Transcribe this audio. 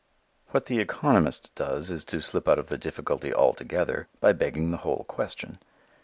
What the economist does is to slip out of the difficulty altogether by begging the whole question.